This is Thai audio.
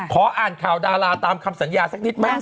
ขออ่านข่าวดาราตามคำสัญญาสักนิดไหม